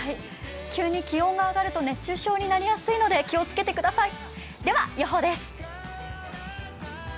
急に気温が上がると熱中症になりやすいので気をつけてください。